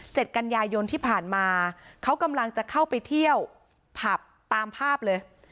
กันยายนที่ผ่านมาเขากำลังจะเข้าไปเที่ยวผับตามภาพเลย